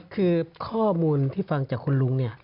คือข้อมูลที่ฟังจากคุณลุงเนี่ย